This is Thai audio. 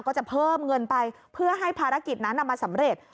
ก็จะเพิ่มเงินไปเพื่อให้ภารกิจนั้นมาสำเร็จ